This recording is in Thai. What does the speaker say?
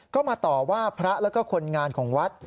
ก็มาต่อว่าพระแล้วก็คนงานของวัด